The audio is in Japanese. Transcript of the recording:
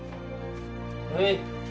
はい